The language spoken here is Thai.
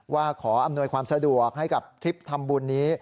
ว่าขออำนวยความสะดวกให้กับทริปทำบุญนี้